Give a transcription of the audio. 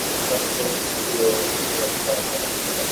na tena sasa nchi hiyo iko katika hatari